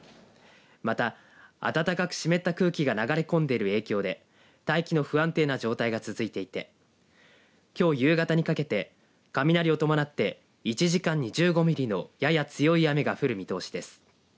また、暖かく湿った空気が流れ込んでいる影響で大気の不安定な状態が続いていてきょう夕方にかけて雷を伴って１時間に１５ミリのやや強い雨が降る見通しです。